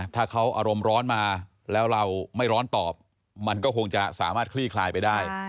ถ้าเขาอารมณ์ร้อนมาแล้วเราไม่ร้อนตอบมันก็คงจะสามารถคลี่คลายไปได้